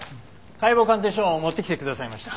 解剖鑑定書を持ってきてくださいました。